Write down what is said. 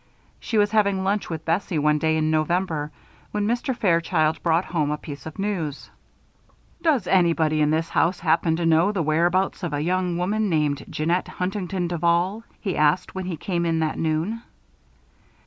She was having lunch with Bessie, one day in November, when Mr. Fairchild brought home a piece of news. "Does anybody in this house happen to know the whereabouts of a young woman named Jeannette Huntington Duval?" he asked, when he came in that noon.